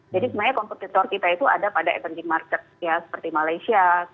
jadi sebenarnya kompetitor kita itu ada pada emerging market ya seperti malaysia